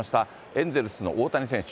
エンゼルスの大谷選手。